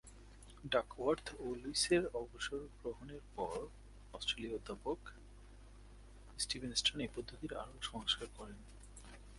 Duckworth ও লুইসের অবসর গ্রহণের পর অস্ট্রেলীয় অধ্যাপক স্টিভেন স্টার্ন এ পদ্ধতির আরও সংস্কার করেন।